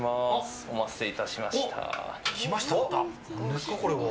何ですか、これは！